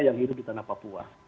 yang hidup di tanah papua